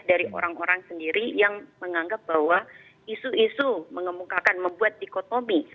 dari orang orang sendiri yang menganggap bahwa isu isu mengemukakan membuat dikotomi